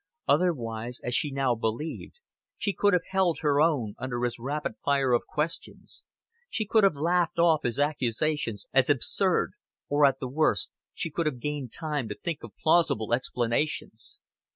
Otherwise, as she now believed, she could have held her own under his rapid fire of questions. She could have laughed off his accusations as absurd or, at the worst, she could have gained time to think of plausible explanations.